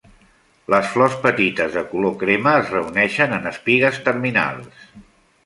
Les flors petites de color crema es reuneixen en espigues terminals.